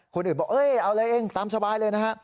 คนอื่นบอกเอ้ยเอาเลยเองตามสบายเลยนะฮะ